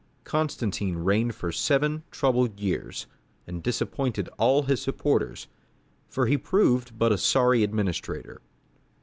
Constantine reigned for seven troubled years, and disappointed all his supporters, for he proved but a sorry administrator.